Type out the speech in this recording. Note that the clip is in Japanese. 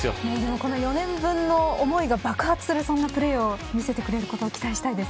この４年分の思いが爆発するそんなプレーを見せてくれることを期待したいです。